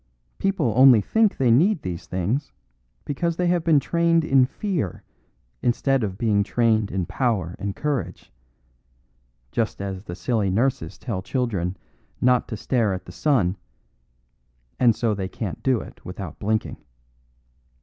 People only think they need these things because they have been trained in fear instead of being trained in power and courage, just as the silly nurses tell children not to stare at the sun, and so they can't do it without blinking.